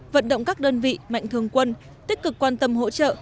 vận động các đơn vị mạnh thường quân tích cực quan tâm hỗ trợ